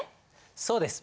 そうです。